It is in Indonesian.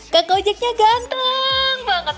kakak ojeknya ganteng banget